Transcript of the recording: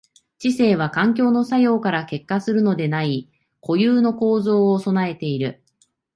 知性は環境の作用から結果するのでない固有の構造を具えている。